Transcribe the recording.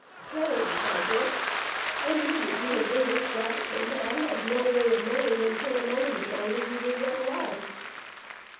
"Harry," said Dick, "I knew that you had been with Jackson, but I had no way of knowing until a moment ago that you were yet alive."